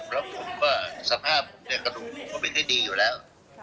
แล้วผมก็สภาพผมเนี่ยกระดูกผมก็ไม่ค่อยดีอยู่แล้ว